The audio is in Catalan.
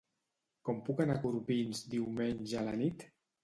Com puc anar a Corbins diumenge a la nit?